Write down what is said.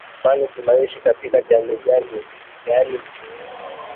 Kwani, tunaishi katika jamii gani gani!